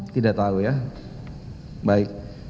tidak tahu ya baik